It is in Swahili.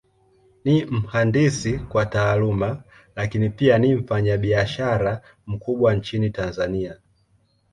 Ni mhandisi kwa Taaluma, Lakini pia ni mfanyabiashara mkubwa Nchini Tanzania.